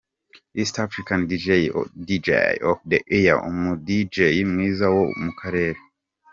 East African Deejay of the year: Umu Deejay mwiza wo mu karere.